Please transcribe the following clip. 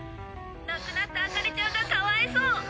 「亡くなったあかりちゃんがかわいそう！」